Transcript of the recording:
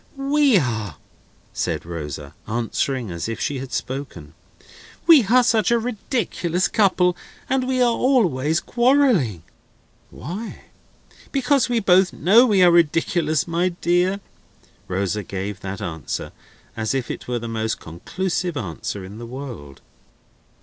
"We are," said Rosa, answering as if she had spoken. "We are such a ridiculous couple. And we are always quarrelling." "Why?" "Because we both know we are ridiculous, my dear!" Rosa gave that answer as if it were the most conclusive answer in the world.